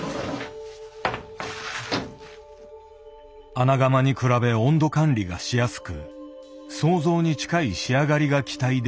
穴窯に比べ温度管理がしやすく想像に近い仕上がりが期待できる。